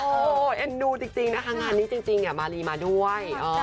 เอ็นดูจริงนะคะงานนี้จริงมารีมาด้วย